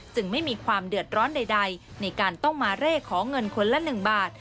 ไม่มีความเดือดร้อนใดในการต้องมาเร่ขอเงินคนละ๑บาท